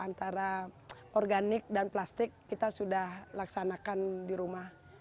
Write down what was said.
antara organik dan plastik kita sudah laksanakan di rumah